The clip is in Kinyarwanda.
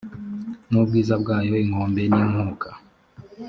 n ubwiza bwayo inkombe n inkuka